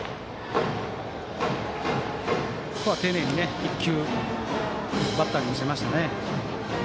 ここは丁寧にね、１球バッターに見せましたね。